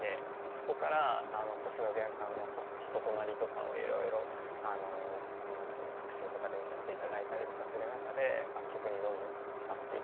そこから星野源さんの人となりとかをいろいろ特集とかで見させていただいたりとかする中で楽曲にどんどんつかっていって。